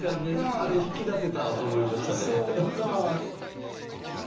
あれ引き出せたと思いましたね